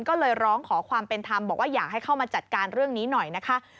ก็เลยร้องขอความเป็นธรรมบอกว่าอยากให้เข้ามาจัดการเรื่องนี้หน่อยนะคะ